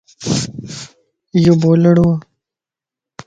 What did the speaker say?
ايو بولڙووَ